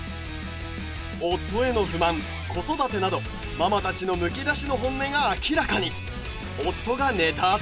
夫への不満子育てなどママたちのむき出しの本音が明らかに。